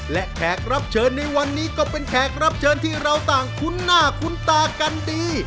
และแขกรับเชิญในวันนี้ก็เป็นแขกรับเชิญที่เราต่างคุ้นหน้าคุ้นตากันดี